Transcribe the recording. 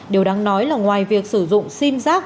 điều đáng nói là ngoài việc sử dụng sim giác